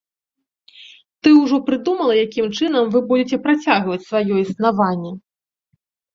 Ты ўжо прыдумала, якім чынам вы будзеце працягваць сваё існаванне?